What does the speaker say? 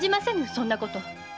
そんなこと。